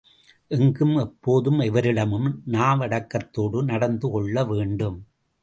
எங்கும், எப்போதும், எவரிடமும் நாவடக்கத்தோடு நடந்து கொள்ளவேண்டும்.